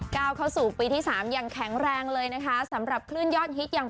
เข้าสู่ปีที่สามอย่างแข็งแรงเลยนะคะสำหรับคลื่นยอดฮิตอย่าง